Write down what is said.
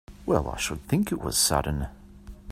Well I should think it was sudden!